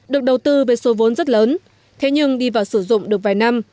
được đầu tư với số vốn rất lớn thế nhưng đi vào sử dụng được vài năm